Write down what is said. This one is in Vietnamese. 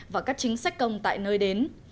và các chính sách công tại nơi đến